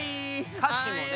歌詞もね